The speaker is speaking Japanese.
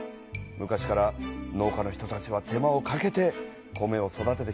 昔から農家の人たちは手間をかけて米を育ててきたんだねえ。